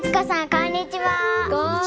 こんにちは。